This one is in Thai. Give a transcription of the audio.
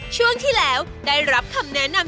ช่วงที่แล้วได้รับคำแนะนำ